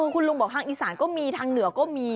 คุณลุงบอกทางอีสานก็มีทางเหนือก็มี